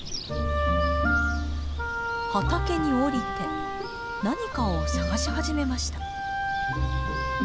畑に降りて何かを探し始めました。